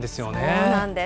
そうなんです。